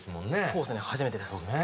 そうですね初めてです。